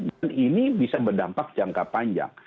dan ini bisa berdampak jangka panjang